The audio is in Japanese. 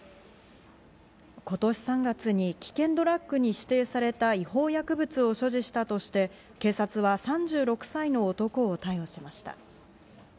今年３月に危険ドラッグに指定された違法薬物を所持したとして、警察は３６歳の男を逮捕しました。